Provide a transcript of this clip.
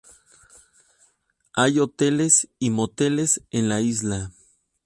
Hay hoteles y moteles en la isla.